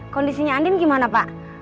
kondisinya andin gimana pak